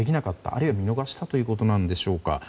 あるいは見逃したということなのでしょうか。